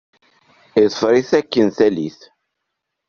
Yeḍfer-it akken tallit.